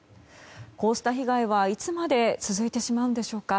こうした被害はいつまで続いてしまうんでしょうか。